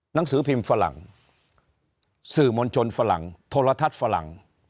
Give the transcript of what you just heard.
หนังสือพิมพ์ฝรั่งสื่อมวลชนฝรั่งโทรทัศน์ฝรั่ง